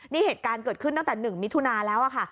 นี่เหตุการณ์เกิดขึ้นตั้งแต่๑มิถุนาแล้วค่ะ